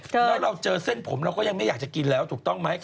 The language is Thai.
แล้วเราเจอเส้นผมเราก็ยังไม่อยากจะกินแล้วถูกต้องไหม